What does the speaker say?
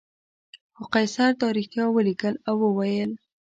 خو قیصر دا رښتیا ولیکل او وویل.